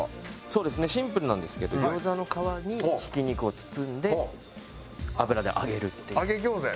そうですねシンプルなんですけど餃子の皮にひき肉を包んで油で揚げるっていう。